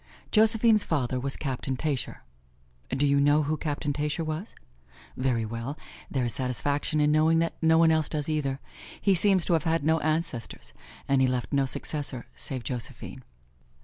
Josephine's father was Captain Tascher. Do you know who Captain Tascher was? Very well, there is satisfaction then in knowing that no one else does either. He seems to have had no ancestors; and he left no successor save Josephine.